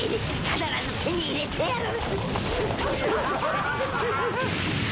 必ず手に入れてやる！